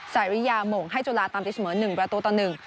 สายวิญญาโหมงให้จุฬาตามที่เสมอหนึ่งประตูต่อหนึ่ง